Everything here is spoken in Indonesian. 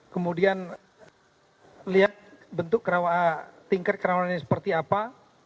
kemudian lihat bentuk tingkat kerawanan ini seperti apa